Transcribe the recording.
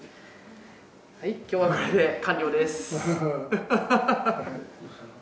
はい今日はこれで完了です。